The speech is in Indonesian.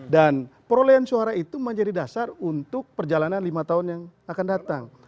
dan perolehan suara itu menjadi dasar untuk perjalanan lima tahun yang akan datang